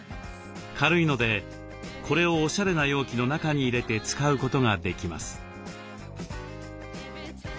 軽いのでこれをおしゃれな容器の中に入れて使うことができます。